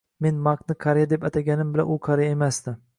Men Makni qariya deb ataganim bilan u qariya emasdi